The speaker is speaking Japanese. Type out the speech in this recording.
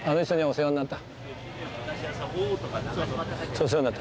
世話になった。